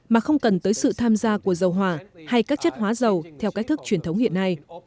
mà không cần tới sự tham gia của dầu hỏa hay các chất hóa dầu theo cách thức truyền thống hiện nay